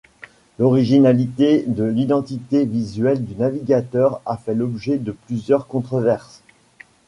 L'originalité de l'identité visuelle du navigateur a fait l'objet de plusieurs controverses.